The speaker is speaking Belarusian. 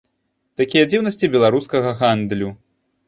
Такія дзіўнасці беларускага гандлю.